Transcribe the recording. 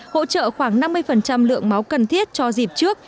hỗ trợ khoảng năm mươi lượng máu cần thiết cho dịp trước